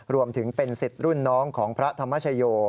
รวมถึงเป็นสิทธิ์รุ่นน้องของพระธรรมชโย